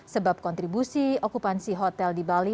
sebab kontribusi okupansi hotel di bali